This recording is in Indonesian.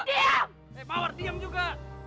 mawar diem juga